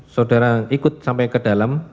saudara ikut sampai ke dalam